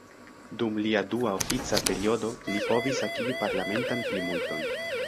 Dum li dua ofica periodo, li povis akiri parlamentan plimulton.